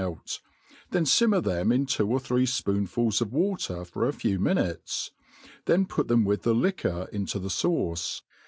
out, then limmer them in two or three fpoonfuis of water for a few mi nutes, then put them with the liquor into the fauce.